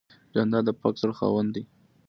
جانداد د پاک زړه خاوند دی.